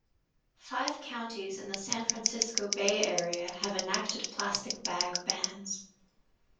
Five counties in the San Francisco Bay Area have enacted plastic bag bans.